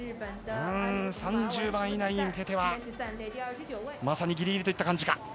３０番以内に向けてはまさにギリギリといった感じか。